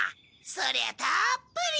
そりゃたっぷり。